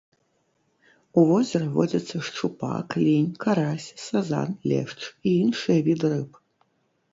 У возеры водзяцца шчупак, лінь, карась, сазан, лешч і іншыя віды рыб.